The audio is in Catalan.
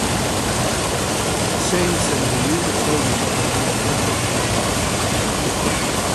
Seine-Saint-Denis està ubicat al nord-est de París.